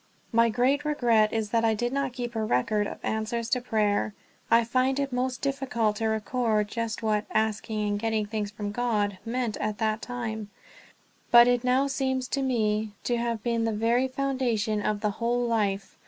My great regret is that I did not keep a record of answers to prayer. I find it most difficult to record just what "asking and getting things from God" meant at that time, but it now seems to me to have been the very foundation of the whole life.